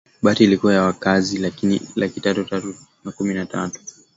Babati ilikuwa na wakazi laki tatu na tatu na kumi na tatu